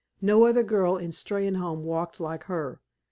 No other girl in Steynholme walked like her.